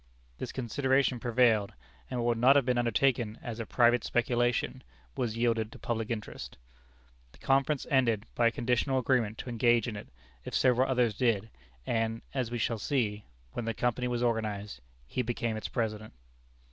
This consideration prevailed, and what would not have been undertaken as a private speculation, was yielded to public interest. The conference ended by a conditional agreement to engage in it, if several others did, and, as we shall see, when the Company was organized, he became its President.